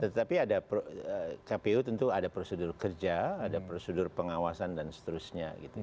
tetapi ada kpu tentu ada prosedur kerja ada prosedur pengawasan dan seterusnya gitu